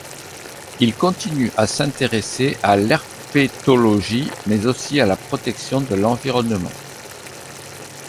Il continue à s’intéresser à l’herpétologie mais aussi à la protection de l’environnement.